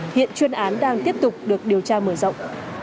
hiện chuyên án đang tiếp tục được điều tra mở rộng